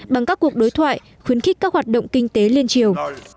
bằng các cuộc đối thoại khuyến khích các hoạt động kinh tế liên triều